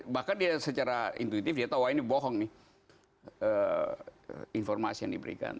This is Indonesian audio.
bahkan dia secara intuitif dia tahu wah ini bohong nih informasi yang diberikan